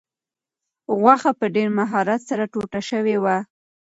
غوښه په ډېر مهارت سره ټوټه شوې وه.